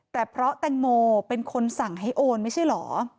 แต่เพราะแตงโมเป็นคนสั่งให้โอนไม่ใช่เหรอ